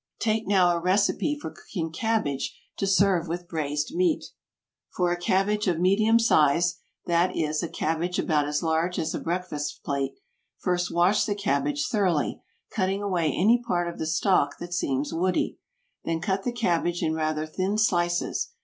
Take now a recipe for cooking cabbage to serve with braised meat. For a cabbage of medium size, that is, a cabbage about as large as a breakfast plate, first wash the cabbage thoroughly, cutting away any part of the stalk that seems woody. Then cut the cabbage in rather thin slices.